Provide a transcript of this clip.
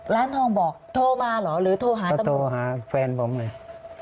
ร้านทองบอกโทรมาเหรอหรือโทรหาตำรวจโทรหาแฟนผมเลย